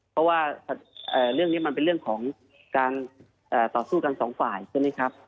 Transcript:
เพราะว่าเรื่องนี้มันเป็นเรื่องของการต่อสู้กันสองฝ่ายใช่ไหมครับ